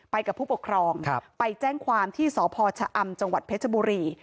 กับผู้ปกครองไปแจ้งความที่สพชะอำจังหวัดเพชรบุรี